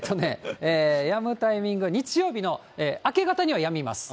やむタイミングは日曜日の明け方にはやみます。